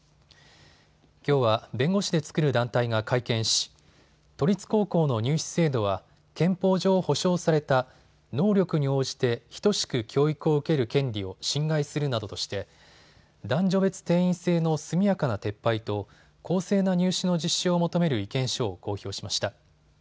きょうは弁護士で作る団体が会見し都立高校の入試制度は憲法上保障された能力に応じてひとしく教育を受ける権利を侵害するなどとして男女別定員制の速やかな撤廃と公正な入試の実施を求める意見書を公表しました。